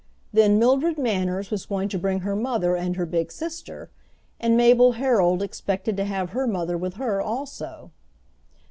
Then Mildred Manners was going to bring her mother and her big sister, and Mabel Herold expected to have her mother with her also.